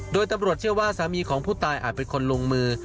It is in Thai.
โดยตำรวจเชื่อว่าสามีของผู้ตายอาจเป็นคนลงมือ